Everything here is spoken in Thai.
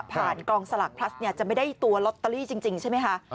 ผ่านกองสลักพลัสจะไม่ได้ตัวลอตเตอรี่จริงใช่ไหมคะ